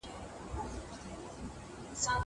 ايرې خاوري نه دوړېږي